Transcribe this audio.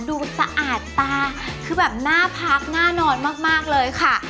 สะอาดตาคือแบบน่าพักน่านอนมากเลยค่ะ